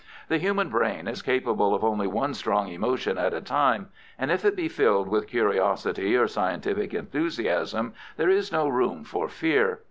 The human brain is capable of only one strong emotion at a time, and if it be filled with curiosity or scientific enthusiasm, there is no room for fear.